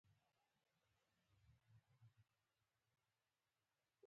وزې له خپل چوڼي نه نه تښتي